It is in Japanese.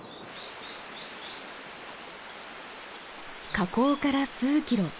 河口から数キロ。